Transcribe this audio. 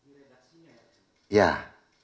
di redaksinya ya